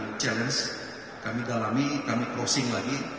di challenge kami dalami kami crossing lagi